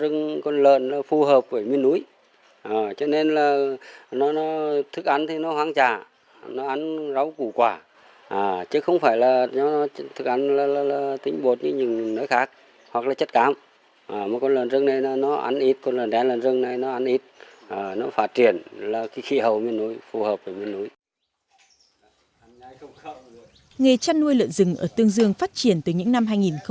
nghề chăn nuôi lợn rừng ở tương dương phát triển từ những năm hai nghìn tám